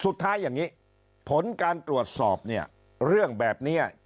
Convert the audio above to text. สุดท้ายอย่างนี้ผลการตรวจสอบเนี่ยเรื่องแบบนี้